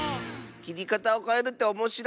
きりかたをかえるっておもしろい！